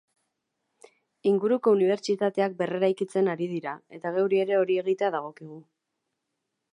Inguruko unibertsitateak berreraikitzen ari dira, eta geuri ere hori egitea dagokigu.